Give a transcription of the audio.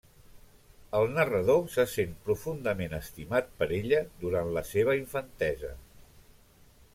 El narrador se sent profundament estimat per ella durant la seva infantesa.